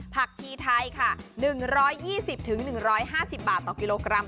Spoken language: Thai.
ผักชีไทยค่ะ๑๒๐๑๕๐บาทต่อกิโลกรัม